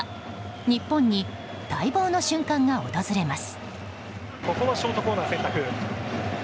日本に待望の瞬間が訪れます。